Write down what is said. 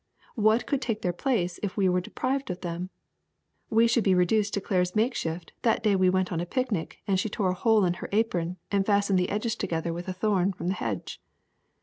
What could take their place if we were deprived of them? We should be reduced to Claire's makeshift that day we went on a picnic and she tore a hole in her apron and fastened the edges together with a thorn from the hedge.